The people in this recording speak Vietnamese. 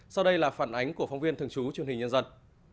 sau đây là phản ánh của phóng viên thường trú truyền hình nhân dân